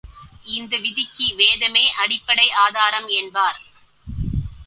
இந்த விதிக்கு வேதமே அடிப்படை ஆதாரம் என்பார்.